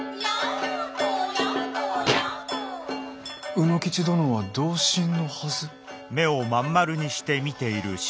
卯之吉殿は同心のはず。